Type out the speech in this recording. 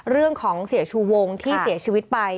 เรื่องของเสียชูวงที่เสียชีวิตไป